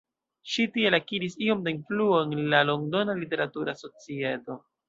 Ŝi tiel akiris iom da influo en la londona literatura societo.